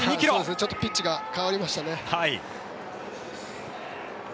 ちょっとピッチが変わりましたね。